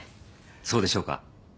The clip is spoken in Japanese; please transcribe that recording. そうでしょうか？